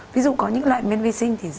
ví dụ có những loại men vi sinh thì rất là